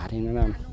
thì nó là